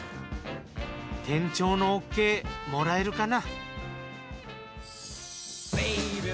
店長のＯＫもらえるかな？